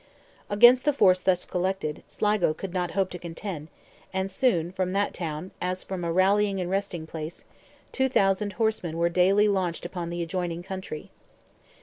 Against the force thus collected, Sligo could not hope to contend, and soon, from that town, as from a rallying and resting place, 2,000 horsemen were daily launched upon the adjoining country.